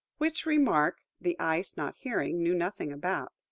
Which remark, the Ice, not hearing, knew nothing about.